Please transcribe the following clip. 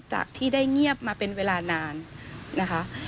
จากที่ได้เงียบมาเป็นเวลานานนะคะ